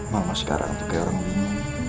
mama sekarang untuk ya orang bimbing